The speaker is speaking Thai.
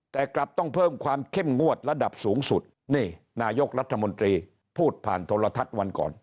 แต่กลับต้องเพิ่มความเข้มงวดระดับสูงสุดนี่นายกรัฐมนตรีพูดผ่านโทรทัศน์วันก่อน